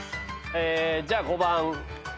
じゃあ５番。